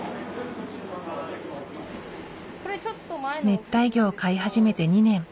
熱帯魚を飼い始めて２年。